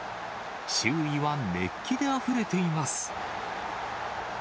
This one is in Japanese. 周囲は熱気であふれています。